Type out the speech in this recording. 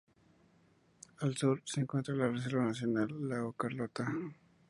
Al sur, se encuentra la Reserva Nacional Lago Carlota.